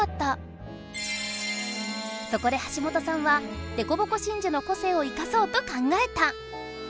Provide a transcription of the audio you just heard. そこで橋本さんはデコボコ真珠の個性を生かそうと考えた！